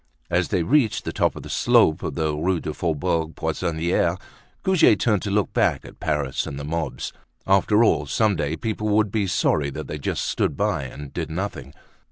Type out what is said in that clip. As they reached the top of the slope of the Rue du Faubourg Poissonniere, Goujet turned to look back at Paris and the mobs. After all, some day people would be sorry that they just stood by and did nothing.